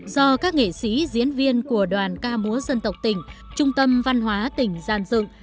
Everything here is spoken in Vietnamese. do các nghệ sĩ diễn viên của đoàn ca múa dân tộc tỉnh trung tâm văn hóa tỉnh gian dựng